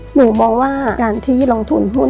หนูมองว่าการที่ลงทุนหุ้น